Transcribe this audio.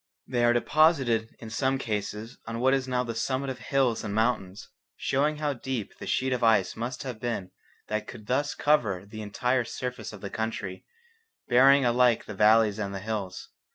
They are deposited in some cases on what is now the summit of hills and mountains, showing how deep the sheet of ice must have been that could thus cover the entire surface of the country, burying alike the valleys and the hills.